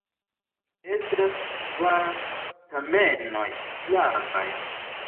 Estas kvar stamenoj, flavaj.